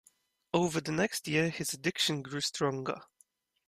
Over the next year his addiction grew stronger.